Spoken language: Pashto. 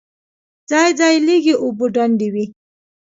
ځای ځای لږې اوبه ډنډ وې.